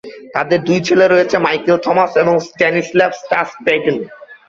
তাদের দুই ছেলে রয়েছে, মাইকেল থমাস এবং স্ট্যানিস্লাভ "স্টাস" প্যাটেন।